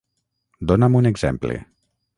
Dona'm un exemple.